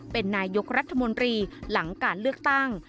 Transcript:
เป็นนายกรัฐมนตรีหลังการเลือกตั้ง